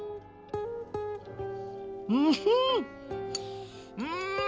うふうん！